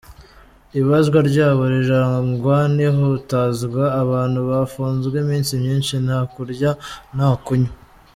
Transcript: Ibazwa ryabo rirarangwa n’ihutazwa, abantu bafunzwe iminsi myinshi nta kurya nta no kunywa.